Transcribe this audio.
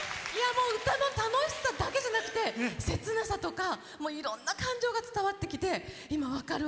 歌の楽しさだけじゃなくて切なさとか、いろんな感情が伝わってきて、今、分かる？